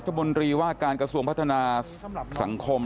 บนตรีว่าการกระทรวงพัฒนาสังคม